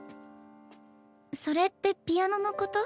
それってピアノのこと？